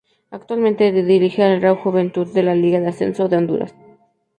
Actualmente dirige al Real Juventud de la Liga de Ascenso de Honduras.